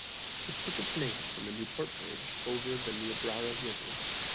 It took its name from the Newport bridge over the Niobrara River.